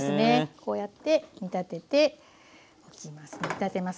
こうやって煮立てておきます。